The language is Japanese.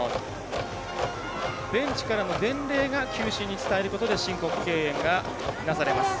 ベンチからの伝令が球審に伝えることで申告敬遠がなされます。